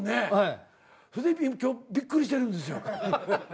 それで今日びっくりしてるんですよ。